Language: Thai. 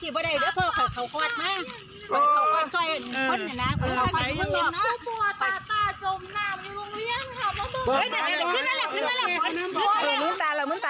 เพื่อน